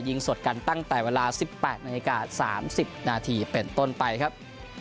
สดกันตั้งแต่เวลา๑๘นาฬิกา๓๐นาทีเป็นต้นไปครับ